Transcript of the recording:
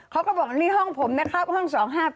เขาก็บอกนี่ห้องผมนะครับห้อง๒๕๘